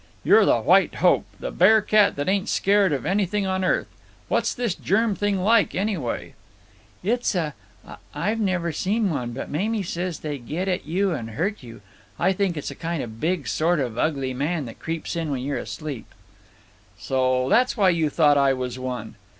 You're the White Hope, the bear cat that ain't scared of anything on earth. What's this germ thing like, anyway?" "It's a——I've never seen one, but Mamie says they get at you and hurt you. I think it's a kind of big sort of ugly man that creeps in when you're asleep." "So that's why you thought I was one?"